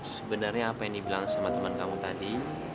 sebenarnya apa yang dibilang sama teman kamu tadi